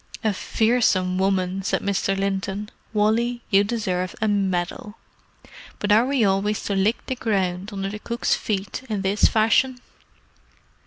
"A fearsome woman!" said Mr. Linton. "Wally, you deserve a medal! But are we always to lick the ground under the cook's feet in this fashion?"